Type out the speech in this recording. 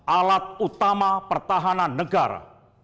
alat utama pertahanan negara